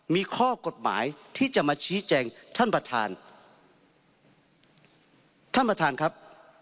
มีข้อกฎหมายที่จะมาชี้แจงท่านประธานท่านประธานครับ